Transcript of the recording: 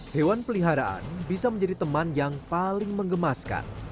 hewan peliharaan bisa menjadi teman yang paling mengemaskan